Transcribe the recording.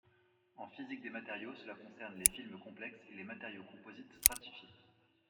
En physique des matériaux, cela concerne les films complexes et les matériaux composites stratifiés.